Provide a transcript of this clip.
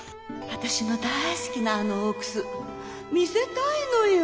私の大好きなあの大楠見せたいのよ。